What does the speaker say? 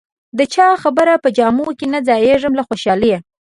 د چا خبره په جامو کې نه ځایېږم له خوشالۍ.